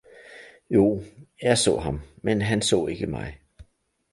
- Jo, jeg så ham, men han så ikke mig!